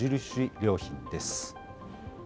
良品です。